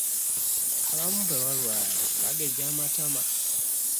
Abamu bwe balwala bagejja amatama.